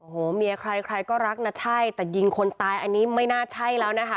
โอ้โหเมียใครใครก็รักนะใช่แต่ยิงคนตายอันนี้ไม่น่าใช่แล้วนะคะ